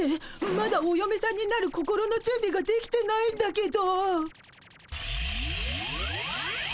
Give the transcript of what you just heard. まだおよめさんになる心のじゅんびができてないんだけど。